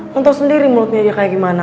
lo tau sendiri mulutnya dia kayak gimana